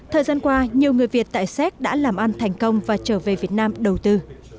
thời gian qua nhiều người việt tại séc đã làm ăn thành công và trở về việt nam đầu tư